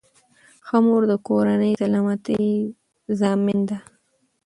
ښه مور د کورنۍ سلامتۍ ضامن ده.